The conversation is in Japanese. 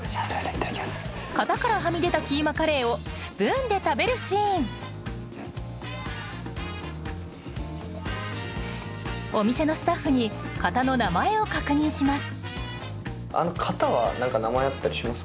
型からはみ出たキーマカレーをスプーンで食べるシーンお店のスタッフに型の名前を確認します